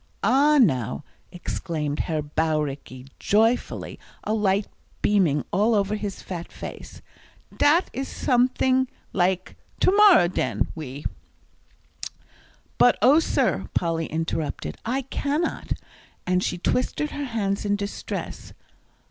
"Ah, now," exclaimed Herr Bauricke, joyfully, a light beaming all over his fat face, "dat is someting like to morrow, den, we " "But, oh, sir," Polly interrupted, "I cannot," and she twisted her hands in distress.